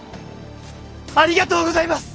ありがとうございます！